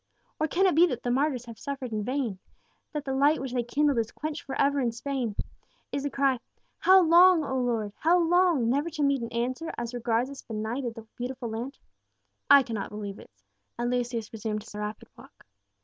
Or can it be that martyrs have suffered in vain that the light which they kindled is quenched for ever in Spain? Is the cry, 'How long, Lord, how long?' never to meet an answer as regards this benighted though beautiful land? I cannot believe it;" and Lucius resumed his rapid walk.